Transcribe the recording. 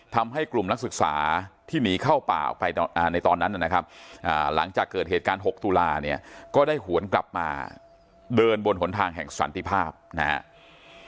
ทำให้กลุ่มนักศึกษาที่หนีเข้าป่าออกไปในตอนนั้นนะครับหลังจากเกิดเหตุการณ์๖ตุลาเนี่ยก็ได้หวนกลับมาเดินบนหนทางแห่งสันติภาพนะครับ